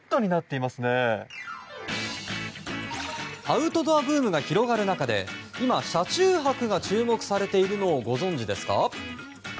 アウトドアブームが広がる中で今、車中泊が注目されているのをご存じですか？